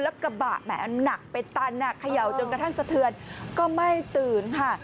แล้วกระบะแหมหนักเป็นตันเขย่าจนกระทั่งสะเทือนก็ไม่ตื่นค่ะ